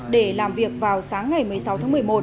để làm việc vào sáng ngày một mươi sáu tháng một mươi một